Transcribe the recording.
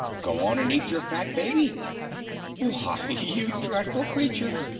"Go on and eat your fat baby." "Why, you dreadful creature!"